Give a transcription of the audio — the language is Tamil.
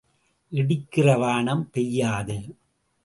இடிக்கிற வானம் பெய்யாது.